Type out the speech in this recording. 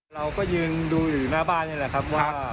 เราก็ยืนดูอยู่หน้าบ้านนี่แหละครับว่า